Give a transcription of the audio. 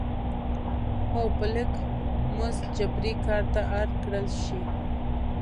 څو په لږ مزد جبري کار ته اړ کړل شي.